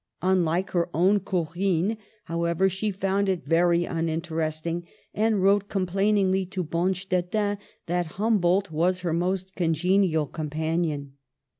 Unlike her own Corinne, however, she found it very uninterest ing, and wrote complainingly to Bonstetten that Humboldt was her most congenial companion.